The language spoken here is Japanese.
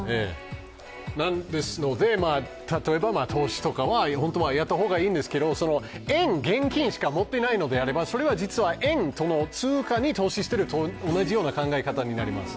ですので、投資とかは例えばやった方がいいんですけど円、現金しか持っていないのであれば、通貨に投資しているのと同じ考え方になります。